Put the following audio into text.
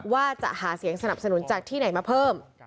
ว่าจะหาเสียงสนับสนุนจากที่ไหนมาเพิ่ม